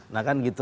nah kan gitu